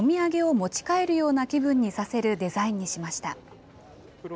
お土産を持ち帰るような気分にさせるデザインにしました。